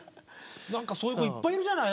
何かそういう子いっぱいいるじゃない。